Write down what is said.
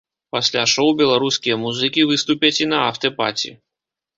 Пасля шоў беларускія музыкі выступяць і на афтэ-паці.